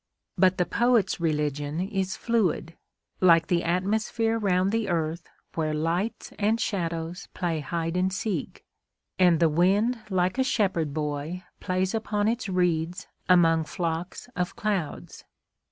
But the poet's religion is fluid, like the atmosphere round the earth where lights and shadows play hide and seek, and the wind like a shepherd boy plays upon its reeds among flocks of clouds.